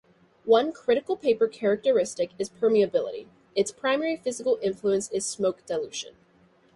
One critical paper characteristic is permeability; its primary physical influence is smoke dilution.